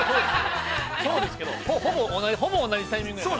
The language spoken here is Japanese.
◆そうですけど、ほぼ同じタイミングやから。